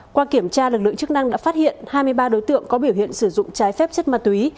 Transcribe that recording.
qua kiểm tra lực lượng chức năng đã phát hiện hai mươi ba đối tượng có biểu hiện sử dụng trái phép chất ma túy